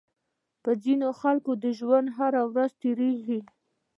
په ځينې خلکو د ژوند هره ورځ تېرېږي.